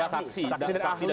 saksi dari ahli